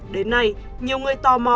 đến nay nhiều người tò mò